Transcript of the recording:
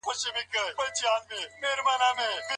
واکمنو ته بايد خپلې دندې ور يادې کړل سي.